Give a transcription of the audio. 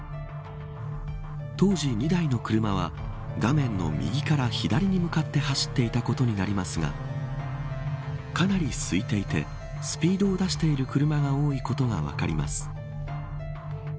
当時２台の車は画面の右から左に向かって走っていたことになりますがかなり、すいていてスピードを出している車が多いことが分かります。